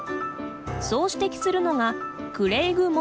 そう指摘するのがクレイグ・モドさん。